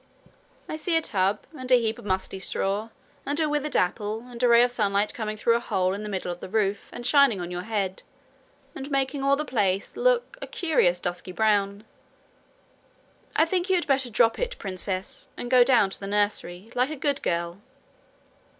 'I see a tub, and a heap of musty straw, and a withered apple, and a ray of sunlight coming through a hole in the middle of the roof and shining on your head, and making all the place look a curious dusky brown. I think you had better drop it, princess, and go down to the nursery, like a good girl.'